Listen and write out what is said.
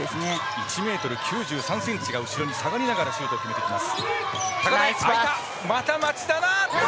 １ｍ９３ｃｍが後ろに下がりながらシュートを決めてきます。